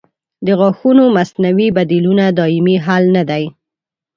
د غاښونو مصنوعي بدیلونه دایمي حل نه دی.